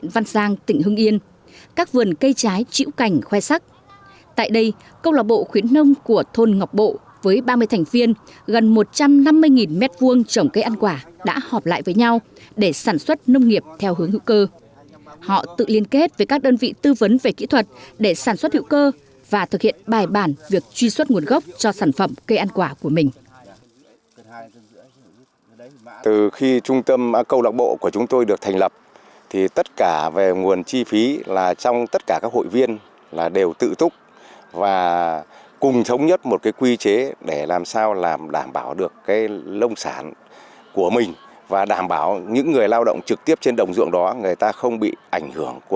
và thực hiện bài bàn việc truy xuất nguồn gốc cho sản phẩm cây ăn quả của mình